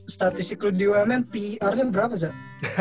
statisik lu di wmn pr nya berapa zak